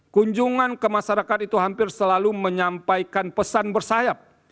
kunjungan ke masyarakat itu hampir selalu menyampaikan pesan bersayap